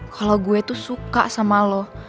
kalau gue tuh suka sama lo